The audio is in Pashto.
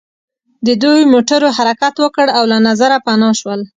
د دوی موټرو حرکت وکړ او له نظره پناه شول